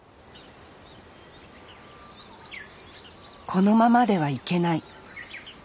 このままではいけない。